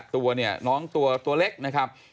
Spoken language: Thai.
ตัวเนี่ยน้องตัวเล็กนะครับ